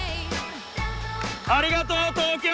ありがとう東京！